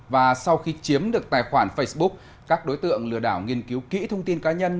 và sau khi chiếm được tài khoản facebook các đối tượng lừa đảo nghiên cứu kỹ thông tin cá nhân